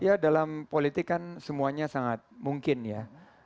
ya dalam politik kan semuanya sangat mungkin ya